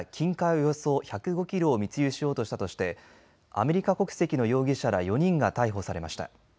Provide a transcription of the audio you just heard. およそ１０５キロを密輸しようとしたとしてアメリカ国籍の容疑者ら４人が逮捕されました。